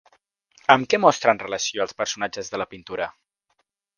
Amb què mostren relació els personatges de la pintura?